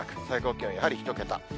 最高気温、やはり１桁。